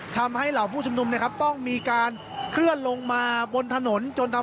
ทำให้เหล่าผู้ชุมนุมต้องมีการเคลื่อนลงมาบนถนน